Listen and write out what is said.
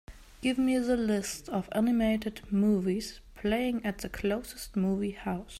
Give me the list of animated movies playing at the closest movie house